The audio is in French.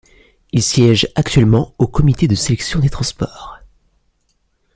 Il siège actuellement au comité de sélection des transports.